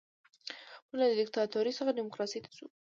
موږ له دیکتاتورۍ څخه ډیموکراسۍ ته ځو.